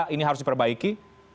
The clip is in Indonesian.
ini harus diperbaiki